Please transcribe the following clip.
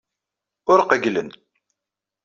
Ur qeyylen.